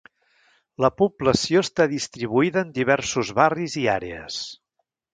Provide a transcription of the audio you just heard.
La població està distribuïda en diversos barris i àrees.